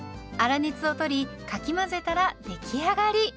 粗熱を取りかき混ぜたら出来上がり。